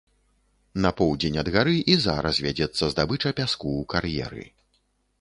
На поўдзень ад гары і зараз вядзецца здабыча пяску ў кар'еры.